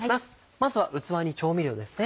まずは器に調味料ですね。